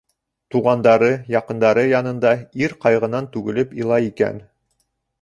Туғандары, яҡындары янында ир ҡайғынан түгелеп илай икән: